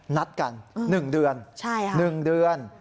นัดกัน๑เดือน๑เดือน